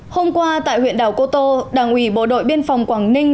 hôm qua tại huyện đảo cô tô đảng ủy bộ đội biên phòng quảng ninh